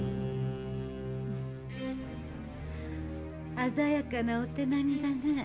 ・鮮やかなお手並みだねえ。